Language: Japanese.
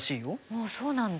ああそうなんだ。